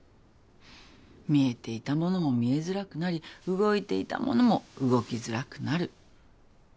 見えていたものも見えづらくなり動いていたものも動きづらくなる。